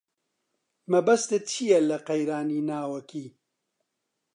مەبەستت چییە لە قەیرانی ناوەکی؟